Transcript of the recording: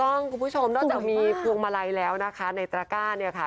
ถูกต้องคุณผู้ชมสวยมากนอกจากมีพวงมาลัยแล้วนะคะในตระก้าเนี่ยค่ะ